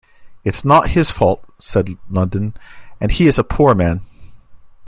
"It's not his fault", said London "and he is a poor man.